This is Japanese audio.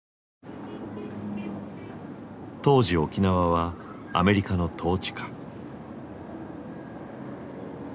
当時沖縄はアメリカの統治下。